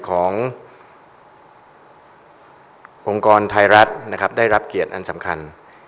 วงกรไทยรัฐได้รับเกียรติอันสำคัญ